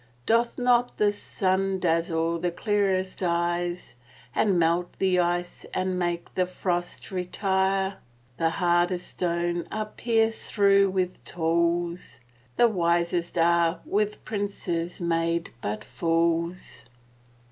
Doth not the sun dazzle the clearest eyes, And melt the ice and make the frost retire? The hardest stones are pierced through with tools : The wisest are with princes made but fools.